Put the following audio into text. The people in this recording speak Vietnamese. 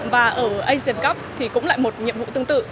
và ở asian cup thì cũng lại một nhiệm vụ tương tự